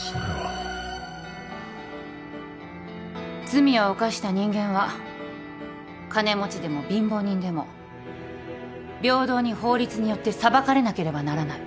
罪を犯した人間は金持ちでも貧乏人でも平等に法律によって裁かれなければならない。